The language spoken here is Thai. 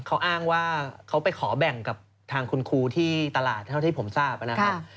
เขาอ้างว่าเขาไปขอแบ่งกับทางคุณครูที่ตลาดเท่าที่ผมทราบนะครับ